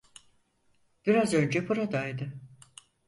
Biraz önce buradaydı.